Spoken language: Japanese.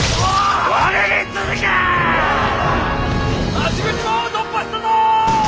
・町口門を突破したぞ！